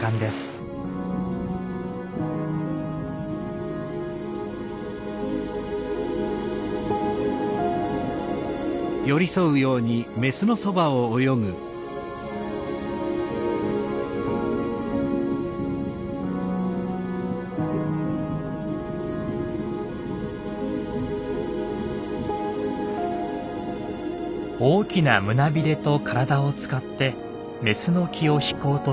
大きな胸ビレと体を使ってメスの気を引こうとしています。